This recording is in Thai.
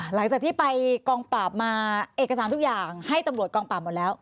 หลังจากที่ไปกองปราบมาเอกสารทุกอย่างให้ตำรวจกองปราบหมดแล้ว